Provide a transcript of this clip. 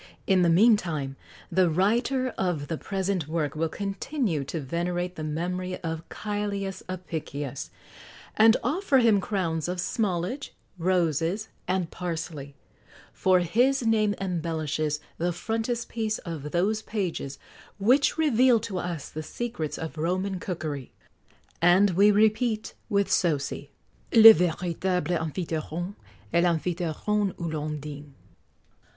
In the meantime the writer of the present work will continue to venerate the memory of Cælius Apicius, and offer him crowns of smallage, roses, and parsley, for his name embellishes the frontispiece of those pages which reveal to us the secrets of Roman cookery; and we repeat, with Sosie: "Le véritable Amphitryon Est l'Amphitryon où l'on dine."